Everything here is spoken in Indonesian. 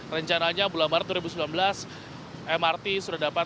rencananya bulan maret dua ribu sembilan belas mrt sudah dapat